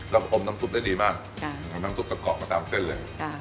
แล้วอมน้ำสุกได้ดีมากแบบน้ำสุกจะกรองมาตามเส้นเลย